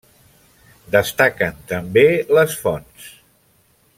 Destaquen també les fonts.